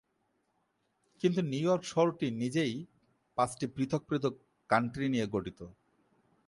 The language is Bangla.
কিন্তু নিউ ইয়র্ক শহরটি নিজেই পাঁচটি পৃথক পৃথক কাউন্টি নিয়ে গঠিত।